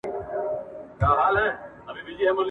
د کتاب لوستل د فکر پراختيا او د پوهې د زياتېدو سبب ګرځي !.